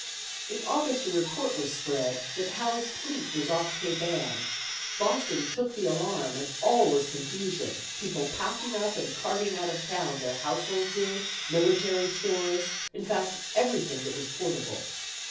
In August a report was spread that Howe's fleet was off Cape Ann. Boston took the alarm, and all was confusion, people packing up and carting out of town their household goods, military stores, in fact everything that was portable.